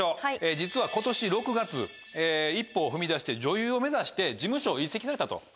実は今年６月一歩を踏み出して女優を目指して事務所を移籍されたと。